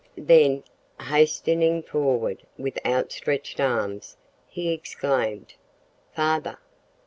Then, hastening forward with outstretched arms, he exclaimed "Father!"